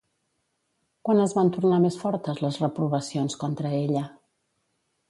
Quan es van tornar més fortes les reprovacions contra ella?